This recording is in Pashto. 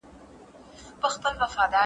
تاسو به له بدو صحبتونو څخه ځان ساتئ.